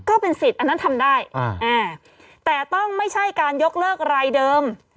ก็เป็นสิทธิ์อันนั้นทำได้แต่ต้องไม่ใช่การยกเลิกรายเดิม